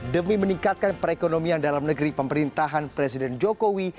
demi meningkatkan perekonomian dalam negeri pemerintahan presiden jokowi